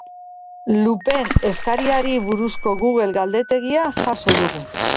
Lupen eskaerari buruzko google galdetegia jaso dugu.